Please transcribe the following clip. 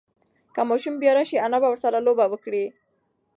که ماشوم بیا راشي، انا به ورسره لوبه وکړي.